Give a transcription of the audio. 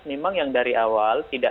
memang yang dari awal tidak